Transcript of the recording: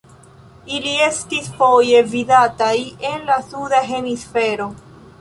Ili estis foje vidataj en la suda hemisfero.